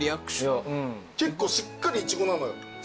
結構しっかりいちごなのよ。